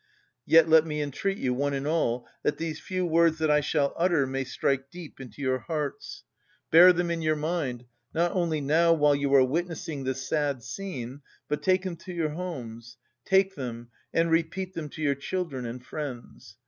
Yet let me entreat you, one and all, that these few words that I shall utter may strike deep into your hearts. Bear them in your mind, not only now while you are witnessing this sad scene, but take them to your homes, take them, and repeat them to your children and friends.